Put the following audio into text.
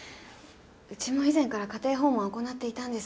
うちも以前から家庭訪問は行っていたんです。